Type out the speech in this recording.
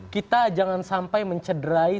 kita jangan sampai mencederai